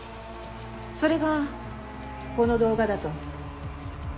それがこの動画だと？